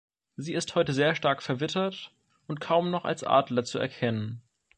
Sie ist heute sehr stark verwittert und kaum noch als Adler zu erkennen.